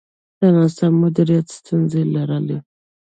د ناسم مدیریت ستونزې یې لرلې.